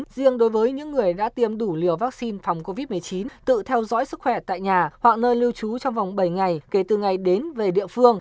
riêng đối với những người đã tiêm đủ liều vaccine phòng covid một mươi chín tự theo dõi sức khỏe tại nhà hoặc nơi lưu trú trong vòng bảy ngày kể từ ngày đến về địa phương